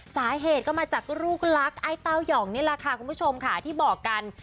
สาเหตุก็มาจากลูกรักไอ้เต้ายองนี่แหละค่ะคุณผู้ชมค่ะที่บอกกัน